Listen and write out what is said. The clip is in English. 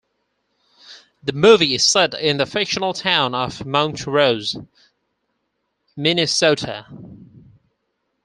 The movie is set in the fictional town of Mount Rose, Minnesota.